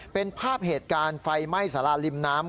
เป็นภาพเหตุการณ์ไฟไหม้สาราริมน้ำ